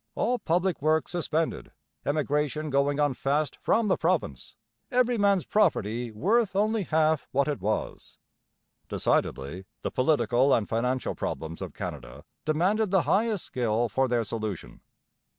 All public works suspended. Emigration going on fast from the province. Every man's property worth only half what it was.' Decidedly the political and financial problems of Canada demanded the highest skill for their solution.